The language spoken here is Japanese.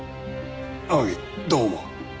天樹どう思う？